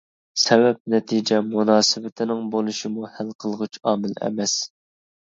سەۋەب-نەتىجە مۇناسىۋىتىنىڭ بولۇشىمۇ ھەل قىلغۇچ ئامىل ئەمەس.